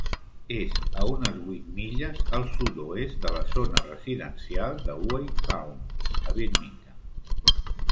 És a unes vuit milles al sud-oest de la zona residencial de Hueytown, a Birmingham.